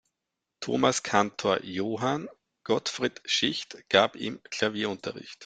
Thomaskantor Johann Gottfried Schicht gab ihm Klavierunterricht.